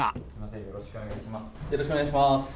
よろしくお願いします。